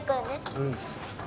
うん。